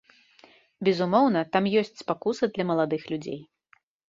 Безумоўна, там ёсць спакуса для маладых людзей.